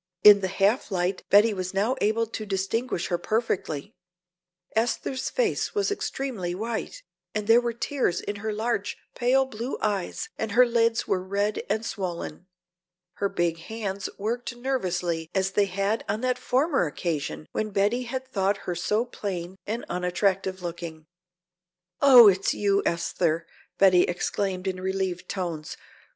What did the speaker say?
In the half light Betty was now able to distinguish her perfectly. Esther's face was extremely white, there were tears in her large pale blue eyes and her lids were red and swollen. Her big hands worked nervously as they had on that former occasion when Betty had thought her so plain and unattractive looking. "Oh, it's you, Esther," Betty exclaimed in relieved tones.